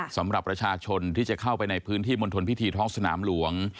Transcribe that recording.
สำหรับประชาชนที่จะเข้าไปในพื้นที่มณฑลพิธีท้องสนามหลวง